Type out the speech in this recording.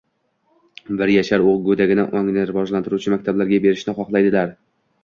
bir yashar go‘dagini ongni rivojlantiruvchi maktablarga berishni xohlaydilar.